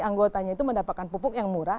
anggotanya itu mendapatkan pupuk yang murah